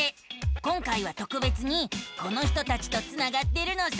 今回はとくべつにこの人たちとつながってるのさ。